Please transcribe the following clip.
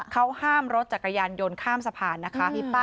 เขาห้ามรถจักรยานยนต์ข้ามสะพานนะคะ